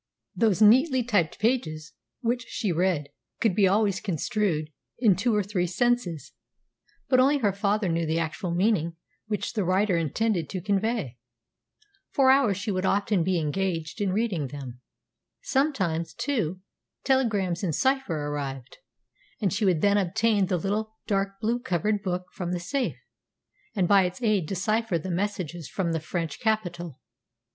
Those neatly typed pages which she read could be always construed in two or three senses. But only her father knew the actual meaning which the writer intended to convey. For hours she would often be engaged in reading them. Sometimes, too, telegrams in cipher arrived, and she would then obtain the little, dark blue covered book from the safe, and by its aid decipher the messages from the French capital.